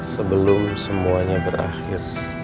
sebelum semuanya berakhir